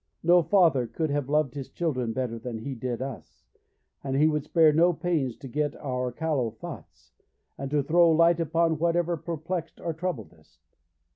No father could have loved his children better than he did us, and he would spare no pains to get at our callow thoughts, and to throw light upon whatever perplexed or troubled us.